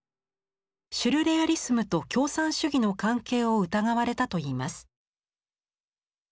シュルレアリスムと共産主義の関係を疑われたといいます。